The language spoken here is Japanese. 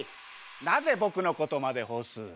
「なぜ僕のことまでほす」